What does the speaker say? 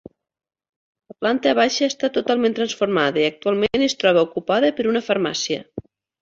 La planta baixa ha estat totalment transformada i, actualment, es troba ocupada per una farmàcia.